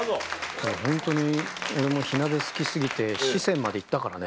ホントに俺も火鍋好き過ぎて四川まで行ったからね。